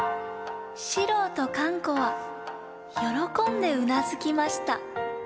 四郎とかん子はよろこんでうなずきました。